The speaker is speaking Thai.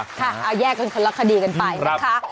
ค่ะเอาแยกกันคำลักษณ์คดีกันไปนะคะ